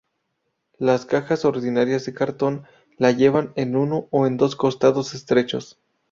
Las cajas ordinarias de cartón la llevan en uno o en dos costados estrechos.